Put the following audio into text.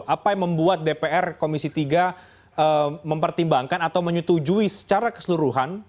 apa yang membuat dpr komisi tiga mempertimbangkan atau menyetujui secara keseluruhan